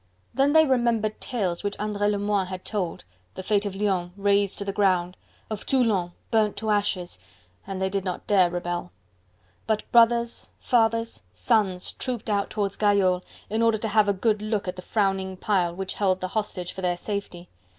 Then they remembered tales which Andre Lemoine had told, the fate of Lyons, razed to the ground, of Toulon burnt to ashes, and they did not dare rebel. But brothers, fathers, sons trooped out towards Gayole, in order to have a good look at the frowning pile, which held the hostage for their safety.